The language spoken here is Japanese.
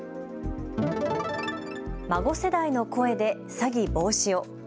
孫世代の声で詐欺防止を。